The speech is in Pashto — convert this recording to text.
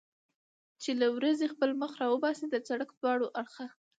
چې له ورېځې خپل مخ را وباسي، د سړک دواړه اړخه.